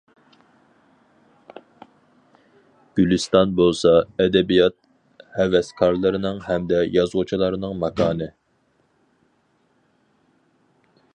گۈلىستان بولسا ئەدەبىيات ھەۋەسكارلىرىنىڭ ھەمدە يازغۇچىلارنىڭ ماكانى.